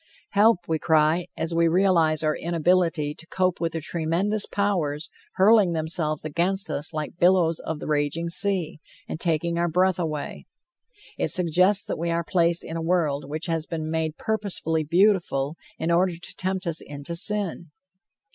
Help! we cry, as we realize our inability to cope with the tremendous powers hurling themselves against us like billows of the raging sea, and taking our breath away. It suggests that we are placed in a world which has been made purposely beautiful, in order to tempt us into sin.